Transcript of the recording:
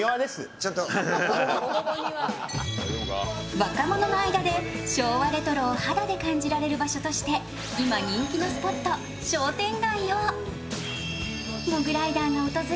若者の間で昭和レトロを肌で感じられる場所として今人気のスポット商店街をモグライダーが訪れ